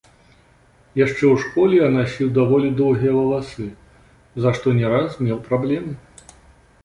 Яшчэ ў школе я насіў даволі доўгія валасы, за што не раз меў праблемы.